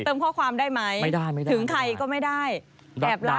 เติมข้อความได้ไหมถึงใครก็ไม่ได้ไม่ได้ไม่ได้